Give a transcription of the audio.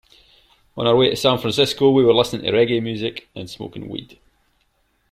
On our way to San Francisco, we were listening to reggae music and smoking weed.